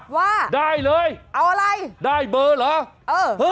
ว่าได้เลยเอาอะไรได้เบอร์เหรอเออ